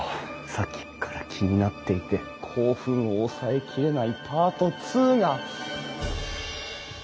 さっきっから気になっていて興奮を抑えきれないパート２が！